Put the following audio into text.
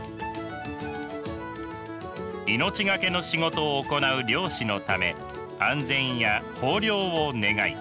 命懸けの仕事を行う漁師のため安全や豊漁を願い